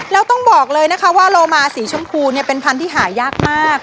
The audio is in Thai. แล้วต้องบอกเลยนะคะว่าโลมาสีชมพูเนี่ยเป็นพันธุ์ที่หายากมาก